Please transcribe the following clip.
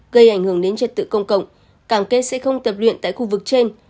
gây ảnh hưởng đến trật tự công cộng càng kết sẽ không tập luyện tại khu vực trên